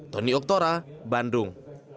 tony oktora bandung